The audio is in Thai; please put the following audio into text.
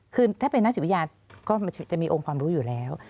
คือถ้าเป็นนักจิตวิทยาก็จะมีองค์ความรู้อยู่แล้ว